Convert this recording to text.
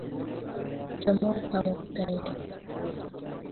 Chomok kamuktaindet